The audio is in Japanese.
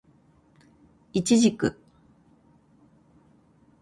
イチジク